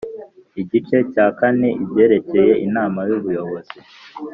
Igice cya kane Ibyerekeye Inama y Ubuyobozi